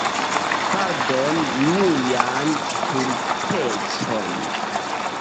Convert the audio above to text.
Pardoni mian stultecon.